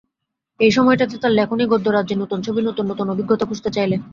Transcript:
এই সময়টাতে তার লেখনী গদ্যরাজ্যে নূতন ছবি নূতন নূতন অভিজ্ঞতা খুঁজতে চাইলে।